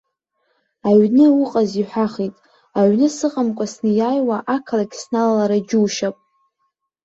Аҩны уҟаз иҳәахит, аҩны сыҟамкәа снеиааиуа ақалақь сналалара џьушьап.